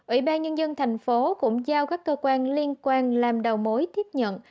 ủy ban nhân dân tp hcm cũng giao các cơ quan liên quan làm đầu mối tiếp nhận